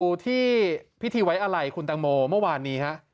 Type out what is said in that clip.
ดูที่พิธีไว้อะไรคุณตังโมเมื่อวานนี้ฮะ